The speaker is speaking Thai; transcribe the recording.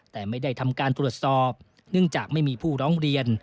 แต่ไม่ได้ทำการตรวจสอบเนื่องจากไม่มีผู้ร้องเรียน